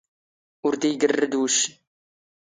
ⵓⵔ ⴷⴰ ⵉⴳⵔⵔⴷ ⵡⵓⵛⵛⵏ